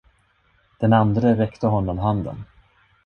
Den andre räckte honom handen.